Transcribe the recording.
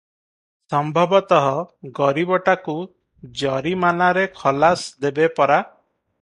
ସମ୍ଭବତଃ ଗରିବଟାକୁ ଜରିମାନାରେ ଖଲାସ ଦେବେ ପରା?